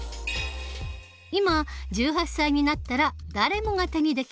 今１８歳になったら誰もが手にできる選挙権。